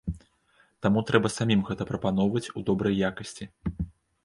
Таму трэба самім гэта прапаноўваць у добрай якасці.